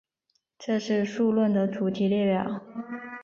这是数论的主题列表。